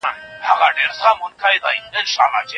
څنګه لوی سوداګر افغاني غالۍ هند ته لیږدوي؟